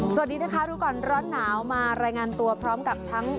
สวัสดีนะคะรู้ก่อนร้อนหนาวมารายงานตัวพร้อมกับทั้ง